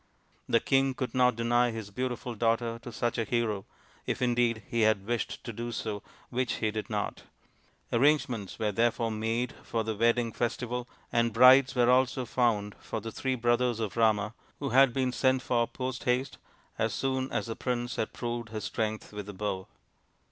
The king could not deny his beautiful daughter to such a hero, if indeed he had wished to do so, which he did not. Arrangements were therefore made for the wedding festival, and brides were also found for the three brothers of Rama, who had been sent for post haste as soon as the prince had proved his strength with the bow.